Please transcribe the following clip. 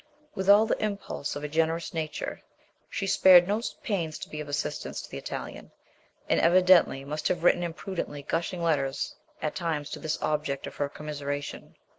With all the impulse of a generous nature, she spared no pains to be of assistance to the Italian, and evidently must have written imprudently gushing letters at times to this object of her commise ration.